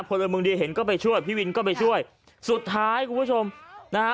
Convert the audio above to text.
พลเมืองดีเห็นก็ไปช่วยพี่วินก็ไปช่วยสุดท้ายคุณผู้ชมนะฮะ